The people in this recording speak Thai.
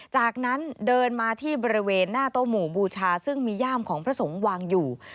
จากนั้นเดินมาที่บริเวณหน้าโต๊ะหมู่บูชาซึ่งมีย่ามของพระสงฆ์วางอยู่